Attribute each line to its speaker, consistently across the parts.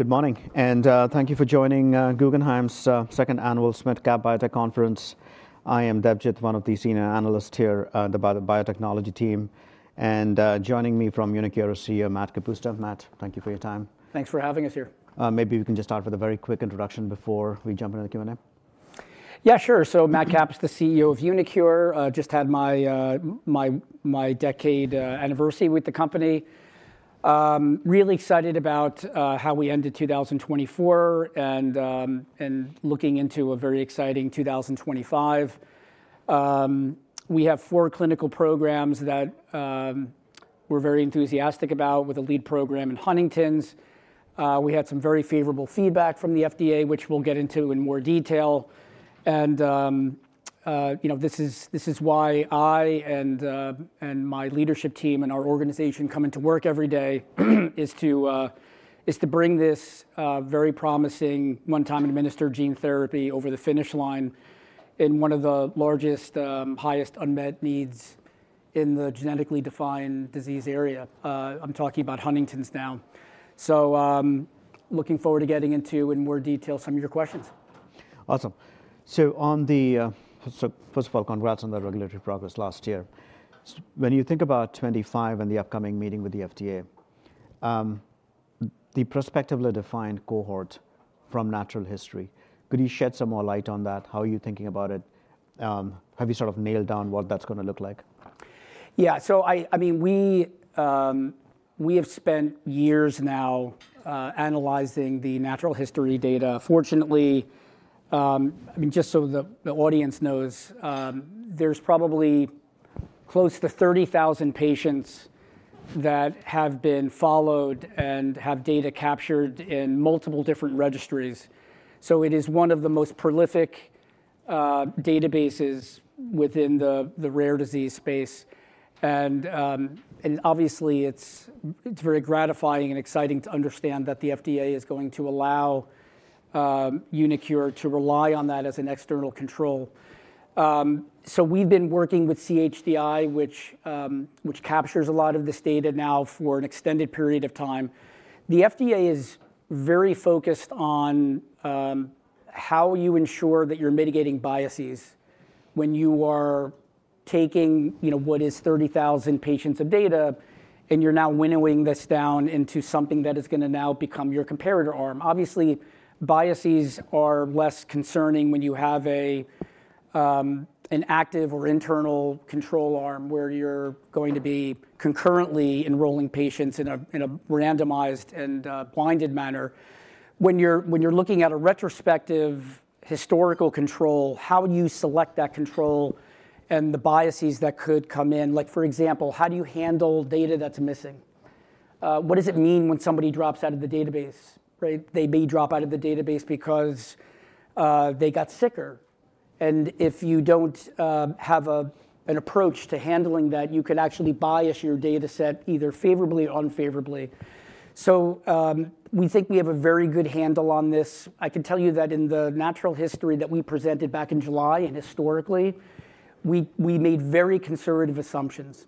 Speaker 1: Good morning, and thank you for joining Guggenheim's Second Annual SMID Cap Biotech Conference. I am Debjit, one of the senior analysts here on the biotechnology team, and joining me from uniQure is CEO Matthew Kapusta. Matt, thank you for your time.
Speaker 2: Thanks for having us here.
Speaker 1: Maybe we can just start with a very quick introduction before we jump into the Q&A.
Speaker 2: Yeah, sure. Matthew Kapusta, CEO of uniQure, just had my decade anniversary with the company. Really excited about how we ended 2024 and looking into a very exciting 2025. We have four clinical programs that we're very enthusiastic about, with a lead program in Huntington's. We had some very favorable feedback from the FDA, which we'll get into in more detail. This is why I and my leadership team and our organization come into work every day, is to bring this very promising one-time-administered gene therapy over the finish line in one of the largest, highest unmet needs in the genetically defined disease area. I'm talking about Huntington's now. Looking forward to getting into more detail some of your questions.
Speaker 1: Awesome. So first of all, congrats on the regulatory progress last year. When you think about 2025 and the upcoming meeting with the FDA, the prospectively defined cohort from natural history, could you shed some more light on that? How are you thinking about it? Have you sort of nailed down what that's going to look like?
Speaker 2: Yeah. So I mean, we have spent years now analyzing the natural history data. Fortunately, I mean, just so the audience knows, there's probably close to 30,000 patients that have been followed and have data captured in multiple different registries. So it is one of the most prolific databases within the rare disease space. And obviously, it's very gratifying and exciting to understand that the FDA is going to allow uniQure to rely on that as an external control. So we've been working with CHDI, which captures a lot of this data now for an extended period of time. The FDA is very focused on how you ensure that you're mitigating biases when you are taking what is 30,000 patients of data, and you're now winnowing this down into something that is going to now become your comparator arm. Obviously, biases are less concerning when you have an active or internal control arm where you're going to be concurrently enrolling patients in a randomized and blinded manner. When you're looking at a retrospective historical control, how do you select that control and the biases that could come in? Like, for example, how do you handle data that's missing? What does it mean when somebody drops out of the database? They may drop out of the database because they got sicker. And if you don't have an approach to handling that, you could actually bias your data set either favorably or unfavorably. So we think we have a very good handle on this. I can tell you that in the natural history that we presented back in July, and historically, we made very conservative assumptions.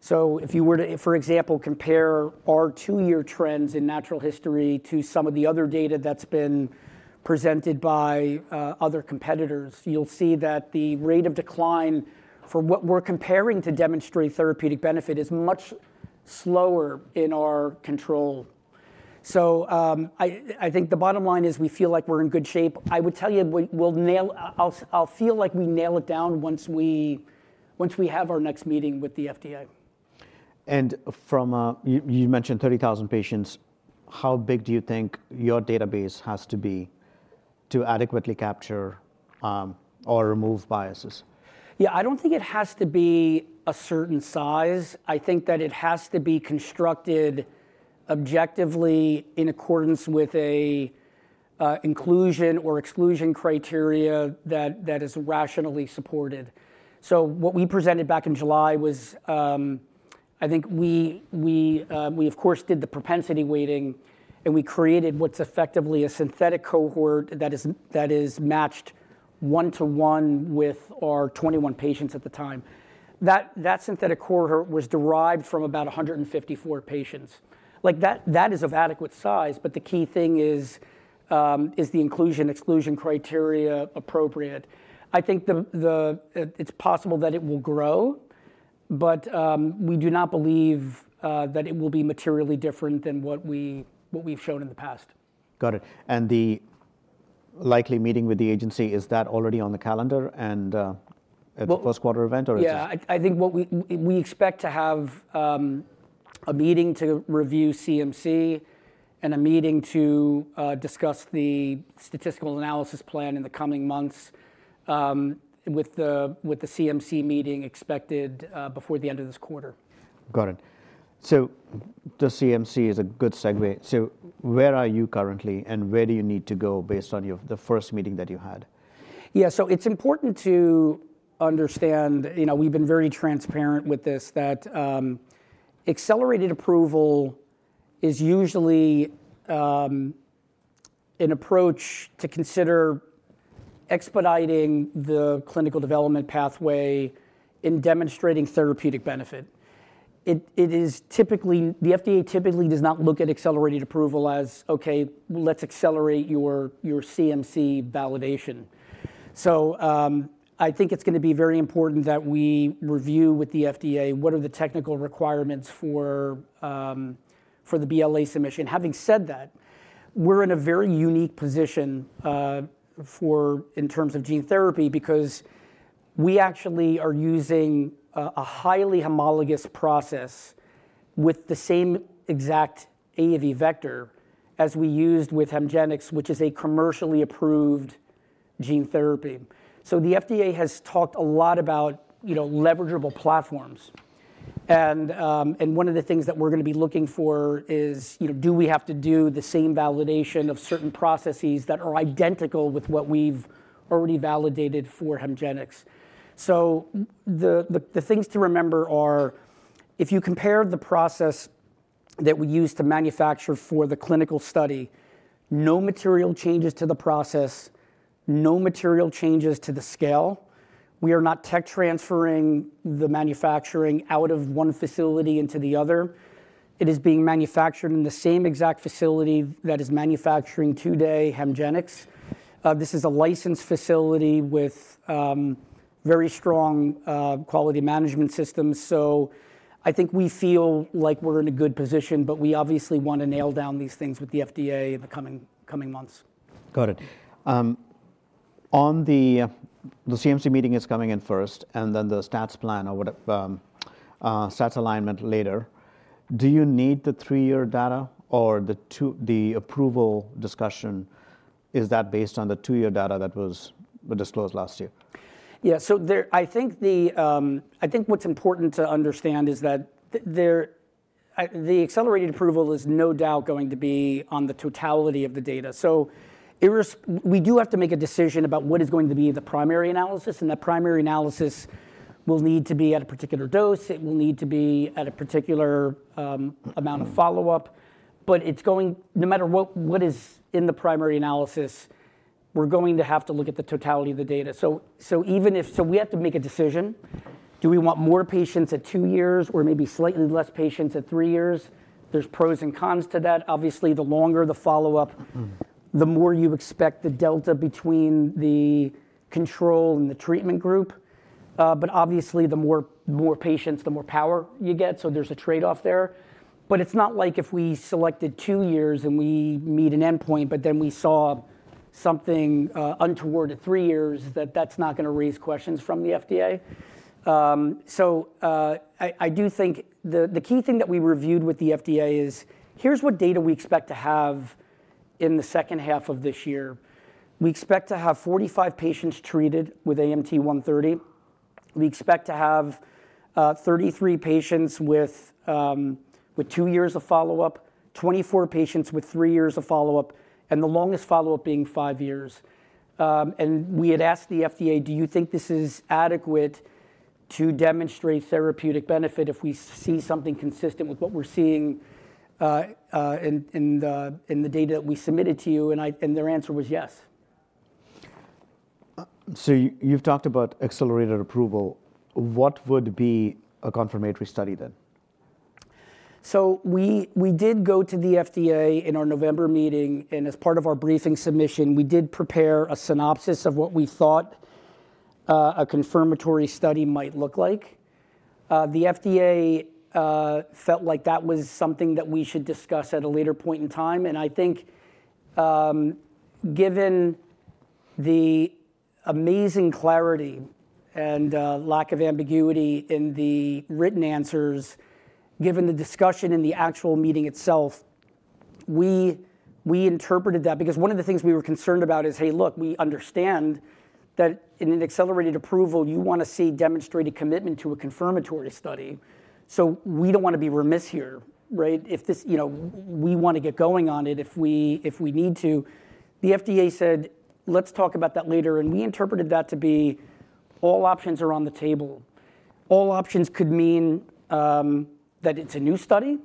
Speaker 2: So if you were to, for example, compare our two-year trends in natural history to some of the other data that's been presented by other competitors, you'll see that the rate of decline for what we're comparing to demonstrate therapeutic benefit is much slower in our control. So I think the bottom line is we feel like we're in good shape. I would tell you, I'll feel like we nail it down once we have our next meeting with the FDA.
Speaker 1: You mentioned 30,000 patients. How big do you think your database has to be to adequately capture or remove biases?
Speaker 2: Yeah, I don't think it has to be a certain size. I think that it has to be constructed objectively in accordance with an inclusion or exclusion criteria that is rationally supported. So what we presented back in July was, I think we, of course, did the propensity weighting, and we created what's effectively a synthetic cohort that is matched one-to-one with our 21 patients at the time. That synthetic cohort was derived from about 154 patients. That is of adequate size, but the key thing is, the inclusion/exclusion criteria appropriate? I think it's possible that it will grow, but we do not believe that it will be materially different than what we've shown in the past.
Speaker 1: Got it. And the likely meeting with the agency, is that already on the calendar and at the first quarter event, or is it?
Speaker 2: Yeah, I think we expect to have a meeting to review CMC and a meeting to discuss the statistical analysis plan in the coming months with the CMC meeting expected before the end of this quarter.
Speaker 1: Got it. So just CMC is a good segue. So where are you currently, and where do you need to go based on the first meeting that you had?
Speaker 2: Yeah, so it's important to understand, we've been very transparent with this, that accelerated approval is usually an approach to consider expediting the clinical development pathway in demonstrating therapeutic benefit. The FDA typically does not look at accelerated approval as, "OK, let's accelerate your CMC validation." So I think it's going to be very important that we review with the FDA what are the technical requirements for the BLA submission. Having said that, we're in a very unique position in terms of gene therapy because we actually are using a highly homologous process with the same exact AAV vector as we used with Hemgenix, which is a commercially approved gene therapy. So the FDA has talked a lot about leverageable platforms. One of the things that we're going to be looking for is, do we have to do the same validation of certain processes that are identical with what we've already validated for Hemgenix? So the things to remember are, if you compare the process that we use to manufacture for the clinical study, no material changes to the process, no material changes to the scale. We are not tech transferring the manufacturing out of one facility into the other. It is being manufactured in the same exact facility that is manufacturing today Hemgenix. This is a licensed facility with very strong quality management systems. So I think we feel like we're in a good position, but we obviously want to nail down these things with the FDA in the coming months.
Speaker 1: Got it. The CMC meeting is coming in first, and then the stats plan or stats alignment later. Do you need the three-year data or the approval discussion? Is that based on the two-year data that was disclosed last year?
Speaker 2: Yeah, so I think what's important to understand is that the accelerated approval is no doubt going to be on the totality of the data. So we do have to make a decision about what is going to be the primary analysis. And that primary analysis will need to be at a particular dose. It will need to be at a particular amount of follow-up. But no matter what is in the primary analysis, we're going to have to look at the totality of the data. So we have to make a decision. Do we want more patients at two years or maybe slightly less patients at three years? There's pros and cons to that. Obviously, the longer the follow-up, the more you expect the delta between the control and the treatment group. But obviously, the more patients, the more power you get. So there's a trade-off there. But it's not like if we selected two years and we meet an endpoint, but then we saw something untoward at three years, that, that's not going to raise questions from the FDA. So I do think the key thing that we reviewed with the FDA is, here's what data we expect to have in the second half of this year. We expect to have 45 patients treated with AMT-130. We expect to have 33 patients with two years of follow-up, 24 patients with three years of follow-up, and the longest follow-up being five years. And we had asked the FDA, do you think this is adequate to demonstrate therapeutic benefit if we see something consistent with what we're seeing in the data that we submitted to you? And their answer was yes.
Speaker 1: So you've talked about accelerated approval. What would be a confirmatory study then?
Speaker 2: So we did go to the FDA in our November meeting, and as part of our briefing submission, we did prepare a synopsis of what we thought a confirmatory study might look like. The FDA felt like that was something that we should discuss at a later point in time. I think given the amazing clarity and lack of ambiguity in the written answers, given the discussion in the actual meeting itself, we interpreted that because one of the things we were concerned about is, hey, look, we understand that in an accelerated approval, you want to see demonstrated commitment to a confirmatory study, so we don't want to be remiss here. We want to get going on it if we need to. The FDA said, let's talk about that later, and we interpreted that to be all options are on the table. All options could mean that it's a new study.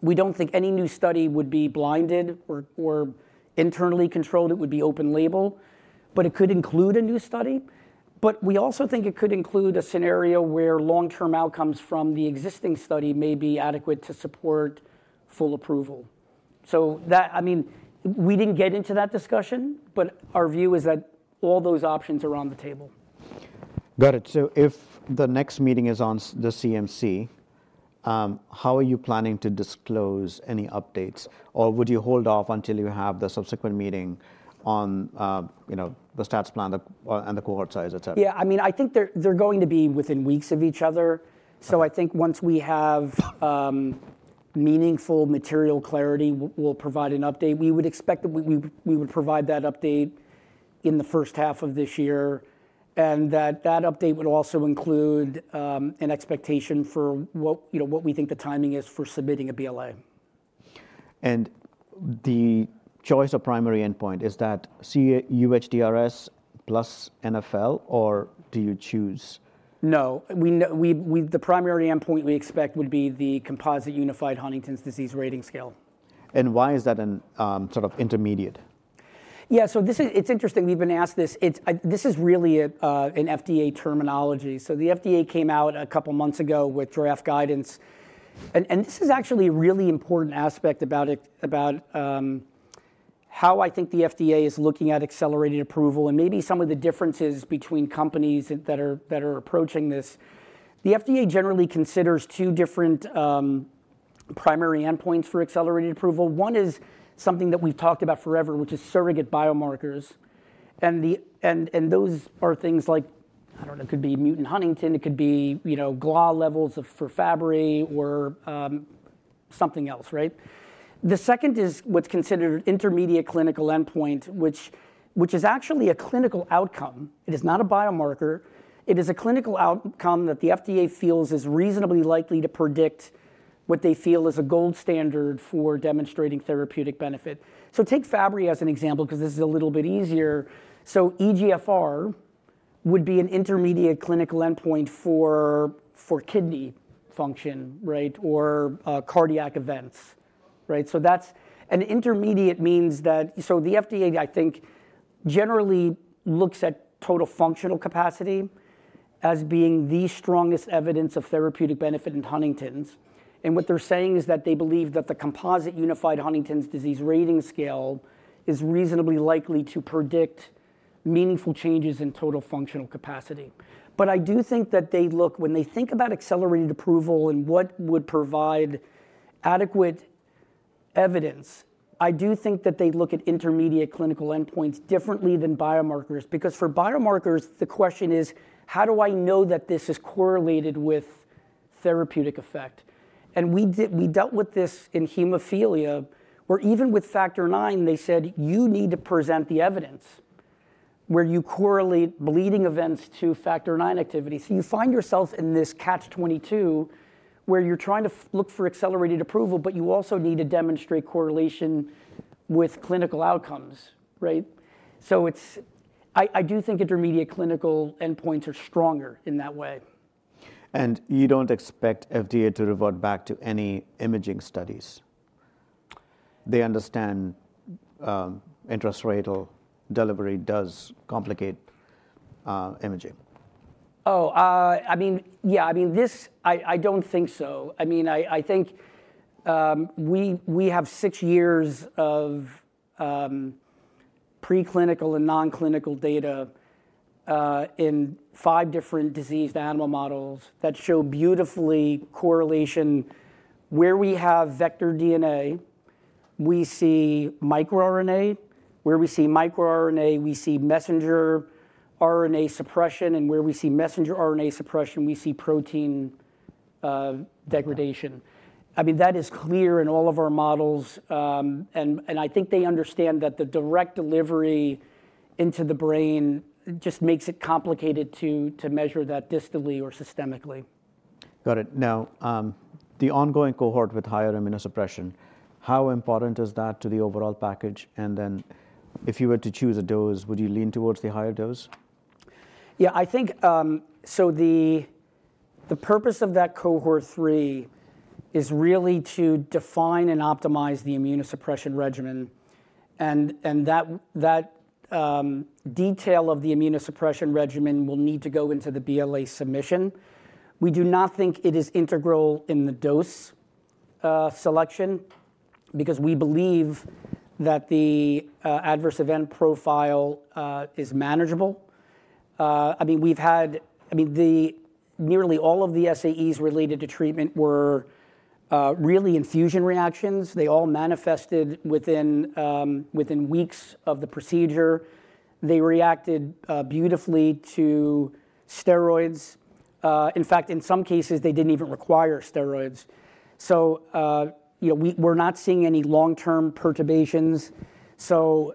Speaker 2: We don't think any new study would be blinded or internally controlled. It would be open label. But it could include a new study. But we also think it could include a scenario where long-term outcomes from the existing study may be adequate to support full approval. So I mean, we didn't get into that discussion, but our view is that all those options are on the table.
Speaker 1: Got it. So if the next meeting is on the CMC, how are you planning to disclose any updates? Or would you hold off until you have the subsequent meeting on the stats plan and the cohort size, et cetera?
Speaker 2: Yeah, I mean, I think they're going to be within weeks of each other. So I think once we have meaningful material clarity, we'll provide an update. We would expect that we would provide that update in the first half of this year, and that update would also include an expectation for what we think the timing is for submitting a BLA.
Speaker 1: The choice of primary endpoint, is that UHDRS plus NfL, or do you choose?
Speaker 2: No. The primary endpoint we expect would be the Composite Unified Huntington's Disease Rating Scale.
Speaker 1: Why is that sort of intermediate?
Speaker 2: Yeah, so it's interesting. We've been asked this. This is really an FDA terminology. So the FDA came out a couple of months ago with draft guidance. And this is actually a really important aspect about how I think the FDA is looking at accelerated approval and maybe some of the differences between companies that are approaching this. The FDA generally considers two different primary endpoints for accelerated approval. One is something that we've talked about forever, which is surrogate biomarkers. And those are things like, I don't know, it could be mutant huntingtin. It could be GLA levels for Fabry or something else. The second is what's considered intermediate clinical endpoint, which is actually a clinical outcome. It is not a biomarker. It is a clinical outcome that the FDA feels is reasonably likely to predict what they feel is a gold standard for demonstrating therapeutic benefit. Take Fabry as an example because this is a little bit easier. eGFR would be an intermediate clinical endpoint for kidney function or cardiac events. An intermediate means that the FDA, I think, generally looks at Total Functional Capacity as being the strongest evidence of therapeutic benefit in Huntington's. What they're saying is that they believe that the Composite Unified Huntington's Disease Rating Scale is reasonably likely to predict meaningful changes in Total Functional Capacity. I do think that when they think about accelerated approval and what would provide adequate evidence, I do think that they look at intermediate clinical endpoints differently than biomarkers. Because for biomarkers, the question is, how do I know that this is correlated with therapeutic effect? We dealt with this in hemophilia where even with Factor IX, they said, you need to present the evidence where you correlate bleeding events to Factor IX activity. You find yourself in this catch-22 where you're trying to look for accelerated approval, but you also need to demonstrate correlation with clinical outcomes. I do think intermediate clinical endpoints are stronger in that way.
Speaker 1: You don't expect FDA to revert back to any imaging studies? They understand interstitial delivery does complicate imaging.
Speaker 2: Oh, I mean, yeah, I mean, I don't think so. I mean, I think we have six years of preclinical and nonclinical data in five different diseased animal models that show beautiful correlation. Where we have vector DNA, we see microRNA. Where we see microRNA, we see messenger RNA suppression. And where we see messenger RNA suppression, we see protein degradation. I mean, that is clear in all of our models. And I think they understand that the direct delivery into the brain just makes it complicated to measure that distally or systemically.
Speaker 1: Got it. Now, the ongoing cohort with higher immunosuppression, how important is that to the overall package? And then if you were to choose a dose, would you lean towards the higher dose?
Speaker 2: Yeah, I think so the purpose of that cohort three is really to define and optimize the immunosuppression regimen. And that detail of the immunosuppression regimen will need to go into the BLA submission. We do not think it is integral in the dose selection because we believe that the adverse event profile is manageable. I mean, nearly all of the SAEs related to treatment were really infusion reactions. They all manifested within weeks of the procedure. They reacted beautifully to steroids. In fact, in some cases, they didn't even require steroids. So we're not seeing any long-term perturbations. So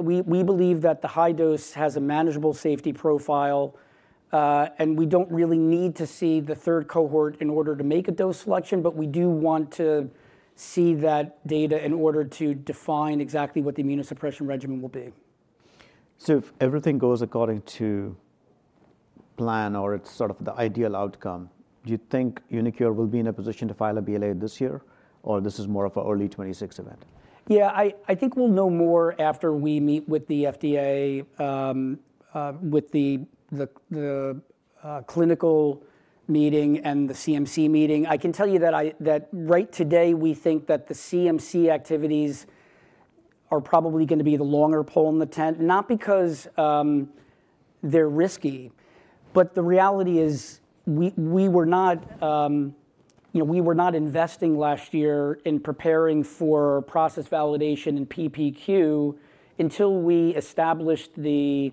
Speaker 2: we believe that the high dose has a manageable safety profile. And we don't really need to see the third cohort in order to make a dose selection. But we do want to see that data in order to define exactly what the immunosuppression regimen will be.
Speaker 1: So if everything goes according to plan or it's sort of the ideal outcome, do you think uniQure will be in a position to file a BLA this year? Or this is more of an early 2026 event?
Speaker 2: Yeah, I think we'll know more after we meet with the FDA, with the clinical meeting and the CMC meeting. I can tell you that right today, we think that the CMC activities are probably going to be the longer pole in the tent, not because they're risky, but the reality is we were not investing last year in preparing for process validation and PPQ until we established the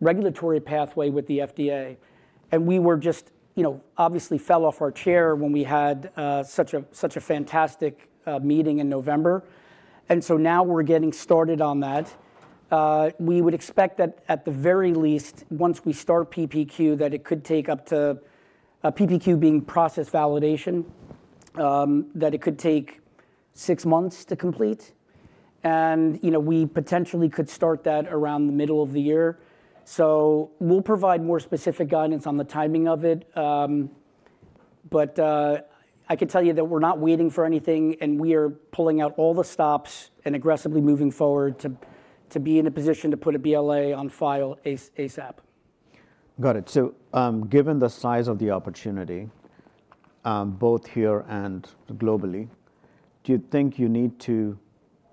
Speaker 2: regulatory pathway with the FDA, and we were just obviously fell off our chair when we had such a fantastic meeting in November, and so now we're getting started on that. We would expect that at the very least, once we start PPQ, that it could take up to PPQ being process validation, that it could take six months to complete, and we potentially could start that around the middle of the year. So we'll provide more specific guidance on the timing of it. But I can tell you that we're not waiting for anything. And we are pulling out all the stops and aggressively moving forward to be in a position to put a BLA on file ASAP.
Speaker 1: Got it. So given the size of the opportunity, both here and globally, do you think you need to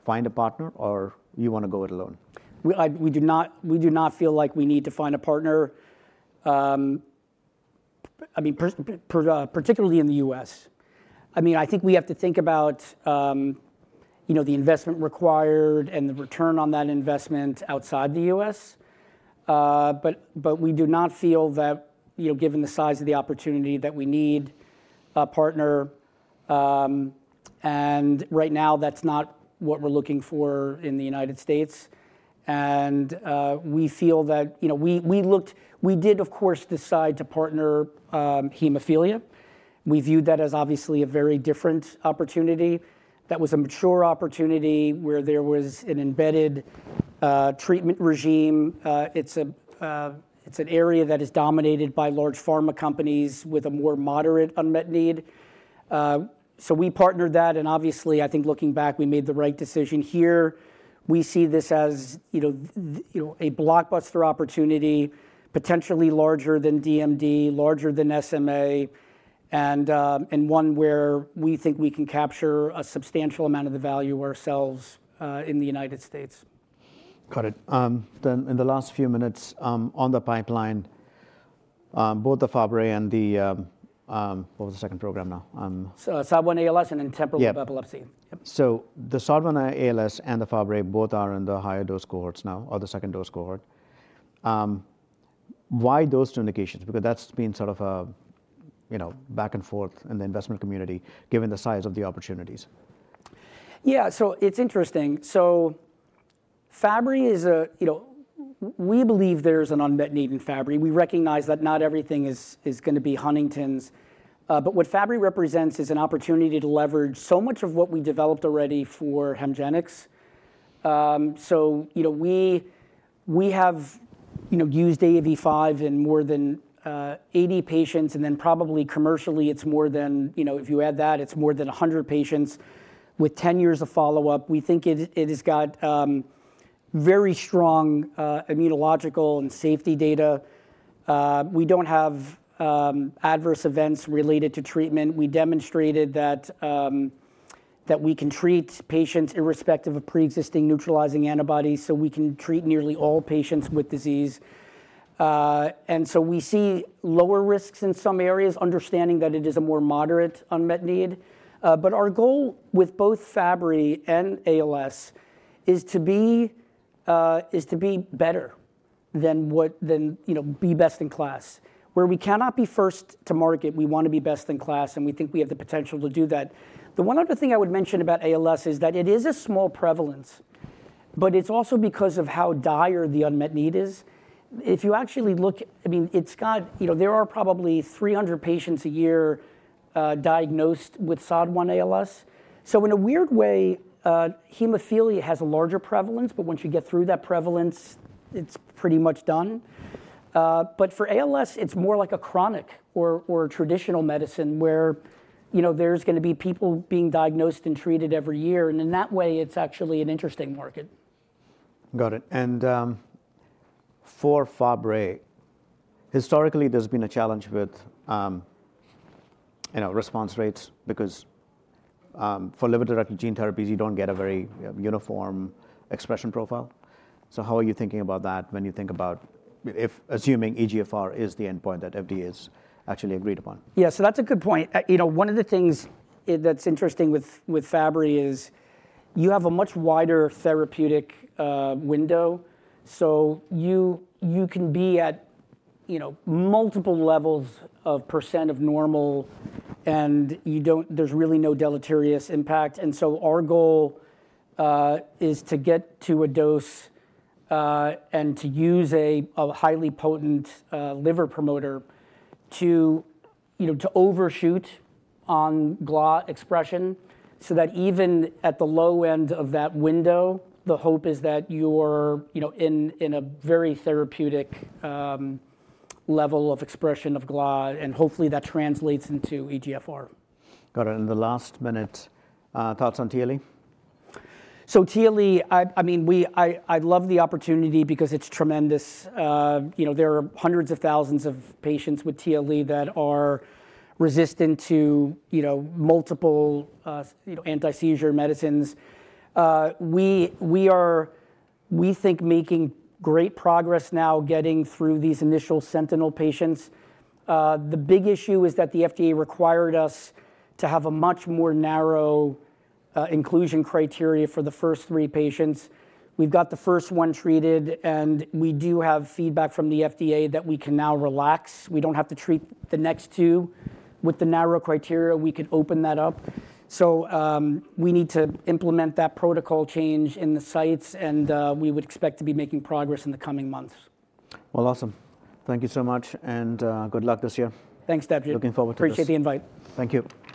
Speaker 1: find a partner or you want to go it alone?
Speaker 2: We do not feel like we need to find a partner, I mean, particularly in the U.S. I mean, I think we have to think about the investment required and the return on that investment outside the U.S. But we do not feel that, given the size of the opportunity that we need, a partner. And right now, that's not what we're looking for in the United States. And we feel that we did, of course, decide to partner hemophilia. We viewed that as obviously a very different opportunity. That was a mature opportunity where there was an embedded treatment regimen. It's an area that is dominated by large pharma companies with a more moderate unmet need. So we partnered that. And obviously, I think looking back, we made the right decision here. We see this as a blockbuster opportunity, potentially larger than DMD, larger than SMA, and one where we think we can capture a substantial amount of the value ourselves in the United States.
Speaker 1: Got it. Then in the last few minutes on the pipeline, both the Fabry and the what was the second program now?
Speaker 2: SOD1-ALS and temporal epilepsy.
Speaker 1: The SOD1-ALS and the Fabry both are in the higher dose cohorts now or the second dose cohort. Why those two indications? Because that's been sort of a back and forth in the investment community given the size of the opportunities.
Speaker 2: Yeah, so it's interesting. So Fabry is a. We believe there's an unmet need in Fabry. We recognize that not everything is going to be Huntington's. But what Fabry represents is an opportunity to leverage so much of what we developed already for Hemgenix. So we have used AAV5 in more than 80 patients. And then probably commercially, it's more than if you add that, it's more than 100 patients with 10 years of follow-up. We think it has got very strong immunological and safety data. We don't have adverse events related to treatment. We demonstrated that we can treat patients irrespective of pre-existing neutralizing antibodies. So we can treat nearly all patients with disease. And so we see lower risks in some areas, understanding that it is a more moderate unmet need. But our goal with both Fabry and ALS is to be better than be best in class. Where we cannot be first to market, we want to be best in class. And we think we have the potential to do that. The one other thing I would mention about ALS is that it is a small prevalence. But it's also because of how dire the unmet need is. If you actually look, I mean, there are probably 300 patients a year diagnosed with SOD1-ALS. So in a weird way, hemophilia has a larger prevalence. But once you get through that prevalence, it's pretty much done. But for ALS, it's more like a chronic or traditional medicine where there's going to be people being diagnosed and treated every year. And in that way, it's actually an interesting market.
Speaker 1: Got it. And for Fabry, historically, there's been a challenge with response rates because for liver-directed gene therapies, you don't get a very uniform expression profile. So how are you thinking about that when you think about assuming eGFR is the endpoint that FDA has actually agreed upon?
Speaker 2: Yeah, so that's a good point. One of the things that's interesting with Fabry is you have a much wider therapeutic window. So you can be at multiple levels of % of normal. And there's really no deleterious impact. And so our goal is to get to a dose and to use a highly potent liver promoter to overshoot on GLA expression so that even at the low end of that window, the hope is that you're in a very therapeutic level of expression of GLA. And hopefully, that translates into eGFR.
Speaker 1: Got it. And the last minute, thoughts on TLE?
Speaker 2: TLE, I mean, I love the opportunity because it's tremendous. There are hundreds of thousands of patients with TLE that are resistant to multiple anti-seizure medicines. We think making great progress now getting through these initial sentinel patients. The big issue is that the FDA required us to have a much more narrow inclusion criteria for the first three patients. We've got the first one treated, and we do have feedback from the FDA that we can now relax. We don't have to treat the next two with the narrow criteria. We can open that up. So we need to implement that protocol change in the sites, and we would expect to be making progress in the coming months.
Speaker 1: Awesome. Thank you so much. Good luck this year.
Speaker 2: Thanks, Debjit.
Speaker 1: Looking forward to this.
Speaker 2: Appreciate the invite.
Speaker 1: Thank you.